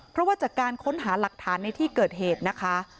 เพราะว่าจากการค้นหาหลักฐานในที่เกิดเหตุนะคะ